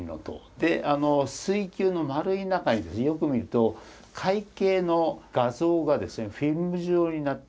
であの水球の丸い中にですねよく見ると「海景」の画像がですねフィルム状になって。